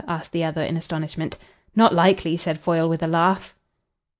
asked the other in astonishment. "Not likely," said Foyle, with a laugh.